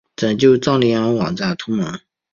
拯救藏羚羊网站同盟